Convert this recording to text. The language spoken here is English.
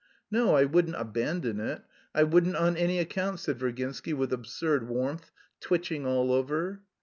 "No, I wouldn't abandon it! I wouldn't on any account!" said Virginsky with absurd warmth, twitching all over.